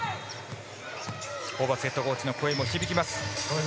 ホーバスヘッドコーチの声も響きます。